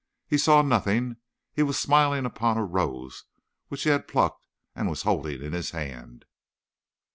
He saw nothing. He was smiling upon a rose which he had plucked and was holding in his hand.